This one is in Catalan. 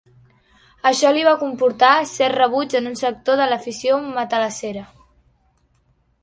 Això li va comportar cert rebuig en un sector de l'afició matalassera.